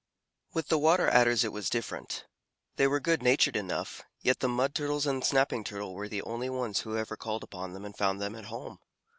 With the Water Adders it was different. They were good natured enough, yet the Mud Turtles and Snapping Turtle were the only ones who ever called upon them and found them at home.